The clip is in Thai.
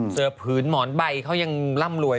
เสื้อผืนหมอนใบเค้ายังล่ำรวย